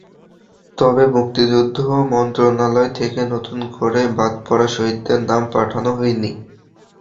তবে মুক্তিযুদ্ধ মন্ত্রণালয় থেকে নতুন করে বাদপড়া শহীদদের নাম পাঠানো হয়নি।